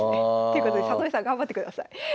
ということで里見さん頑張ってください。